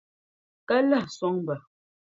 Ka lahi n-sɔŋ ba.